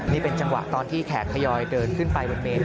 นี่เป็นจังหวะตอนที่แขกทยอยเดินขึ้นไปบนเมน